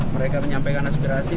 mereka menyampaikan aspirasi